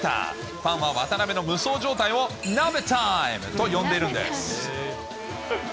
ファンは渡邉の無双状態をナベタイムと呼んでいるんです。